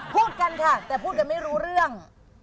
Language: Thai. พูดกันค่ะแต่พูดกันไม่รู้เรื่อง